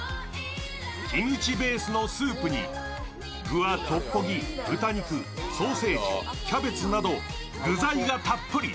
キムチベースのスープに具はトッポギ、豚肉、ソーセージ、キャベツなど、具材がたっぷり。